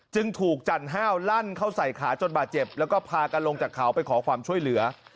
จึงถูกจันห้าวลั่นเข้าใส่ขาจนบาดเจ็บแล้วก็พากันลงจากเขาไปขอความช่วยเหลือ